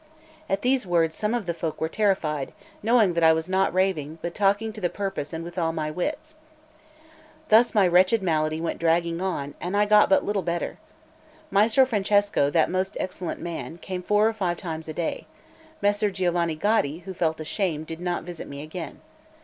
At these words some of the folk were terrified, knowing that I was not raving, but talking to the purpose and with all my wits. Thus my wretched malady went dragging on, and I got but little better. Maestro Francesco, that most excellent man, came four or five times a day; Messer Giovanni Gaddi, who felt ashamed, did not visit me again.